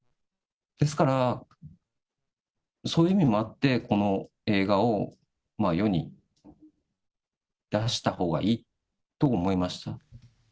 ですから、そういう意味もあって、この映画を世に出したほうがいいと思いました。